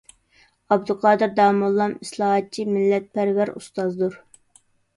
ئابدۇقادىر داموللام ئىسلاھاتچى، مىللەتپەرۋەر ئۇستازدۇر.